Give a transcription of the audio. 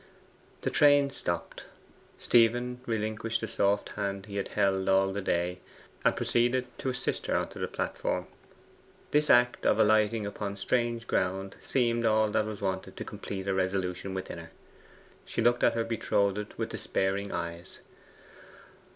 The train stopped. Stephen relinquished the soft hand he had held all the day, and proceeded to assist her on to the platform. This act of alighting upon strange ground seemed all that was wanted to complete a resolution within her. She looked at her betrothed with despairing eyes.